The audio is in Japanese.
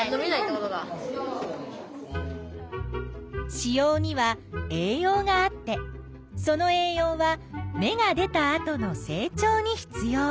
子葉には栄養があってその栄養は芽が出たあとの成長に必要。